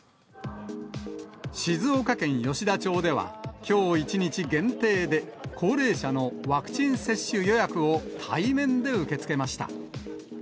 静岡県吉田町では、きょう１日限定で、高齢者のワクチン接種予約を対面で受け付けました。